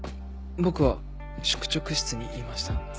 僕は宿直室にいました。